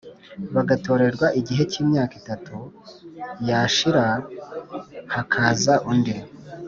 bagatorerwa igihe cy imyaka itatu yashira hakaza undi